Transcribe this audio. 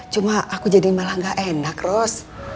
cuma aku jadi malah gak enak ros